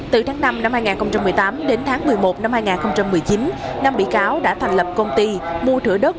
từ tháng năm năm hai nghìn một mươi tám đến tháng một mươi một năm hai nghìn một mươi chín năm bị cáo đã thành lập công ty mua thửa đất